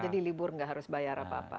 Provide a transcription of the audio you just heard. jadi libur nggak harus bayar apa apa